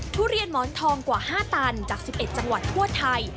ทุเรียนหมอนทองกว่า๕ตันจาก๑๑จังหวัดทั่วไทย